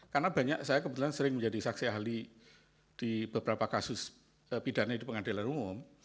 karena banyak saya kebetulan sering menjadi saksi ahli di beberapa kasus pidana di pengadilan umum